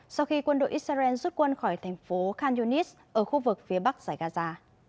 sau khi quân đội israel rút quân khỏi thành phố khan yunis ở khu vực phía bắc giải gaza